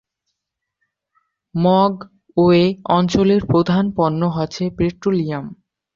Mogwe অঞ্চলের প্রধান পণ্য হচ্ছে পেট্রোলিয়াম।